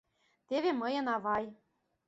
— Теве мыйын авай!